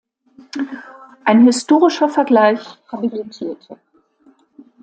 Ein historischer Vergleich“ habilitierte.